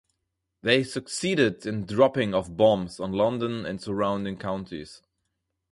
They succeeded in dropping of bombs on London and surrounding counties.